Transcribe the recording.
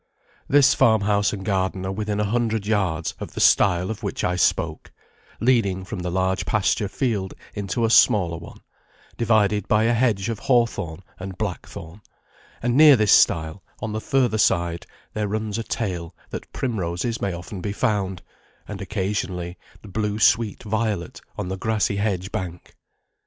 This farm house and garden are within a hundred yards of the stile of which I spoke, leading from the large pasture field into a smaller one, divided by a hedge of hawthorn and black thorn; and near this stile, on the further side, there runs a tale that primroses may often be found, and occasionally the blue sweet violet on the grassy hedge bank.